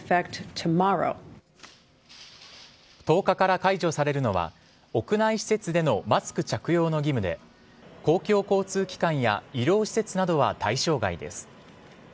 １０日から解除されるのは屋内施設でのマスク着用の義務で公共交通機関や医療施設などは対象外です。